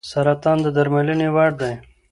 سرطان د درملنې وړ دی.